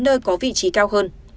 nơi có vị trí cao hơn